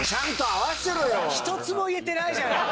一つも言えてないじゃない！